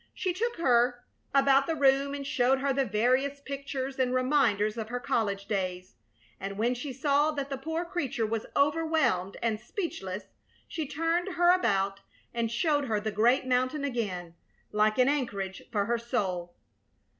She took her about the room and showed her the various pictures and reminders of her college days, and when she saw that the poor creature was overwhelmed and speechless she turned her about and showed her the great mountain again, like an anchorage for her soul.